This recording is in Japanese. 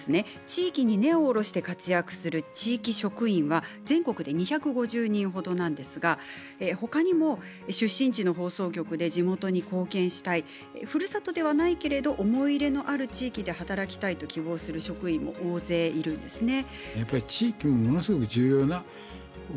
地域に根を下ろして活躍する地域職員は全国で２５０人ほどなんですがほかにも出身地の放送局で地元に貢献したいふるさとではないけれど思い入れのある地域で働きたいと希望する職員も大勢いるんですね。